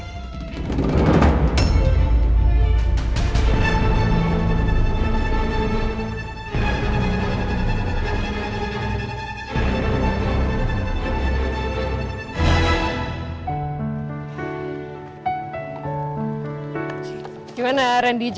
sekarang kamu sedang gilir